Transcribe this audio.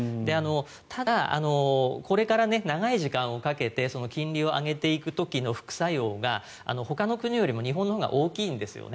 ただ、これから長い時間をかけて金利を上げていく時の副作用がほかの国よりも日本のほうが大きいんですよね。